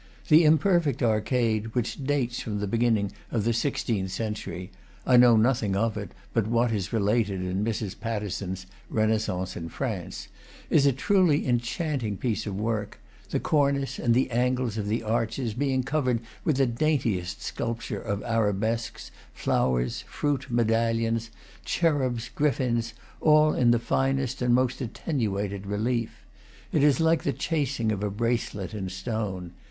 The imperfect arcade, which dates from the beginning of the sixteenth cen tury (I know nothing of it but what is related in Mrs. Pattison's "Rennaissance in France") is a truly en chanting piece of work; the cornice and the angles of the arches, being covered with the daintiest sculpture of arabesques, flowers, fruit, medallions, cherubs, griffins, all in the finest and most attenuated relief. It is like the chasing of a bracelet in stone.